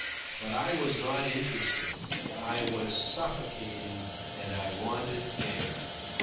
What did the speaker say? But I was not interested. I was suffocating, and I wanted air.